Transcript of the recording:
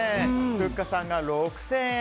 ふっかさんが６０００円。